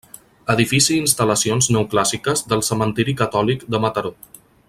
Edifici i instal·lacions neoclàssiques del Cementiri Catòlic de Mataró.